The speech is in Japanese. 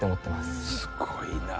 すごいな。